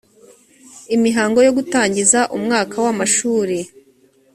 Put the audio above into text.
imihango yo gutangiza umwaka w amashuri